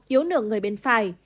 yếu nửa người bên phải